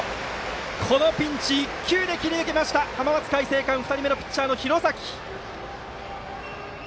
このピンチを１球で切り抜けました浜松開誠館、２人目のピッチャー廣崎です。